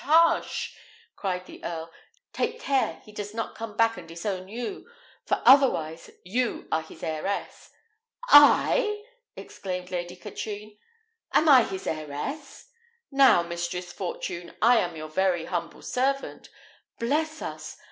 hush!" cried the earl; "take care he does not come back and disown you, for otherwise you are his heiress." "I!" exclaimed Lady Katrine; "am I his heiress? Now, Mistress Fortune, I am your very humble servant! Bless us!